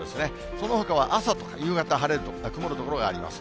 そのほかは朝とか夕方は晴れる所、曇る所があります。